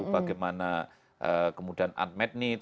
bagaimana kemudian unmet need